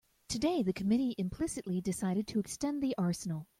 Today the committee implicitly decided to extend the arsenal.